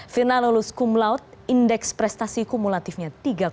firna lulus kumlaut indeks prestasi kumulatifnya tiga tujuh puluh tujuh